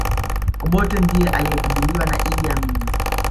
obotte ndiye aliyepinduliwa na idd amini